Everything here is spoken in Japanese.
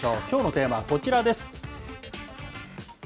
きょうのテーマはこちらです。